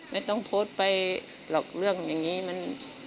ไม่ต้องโพสต์ไปหรอกเรื่องอย่างนี้มัน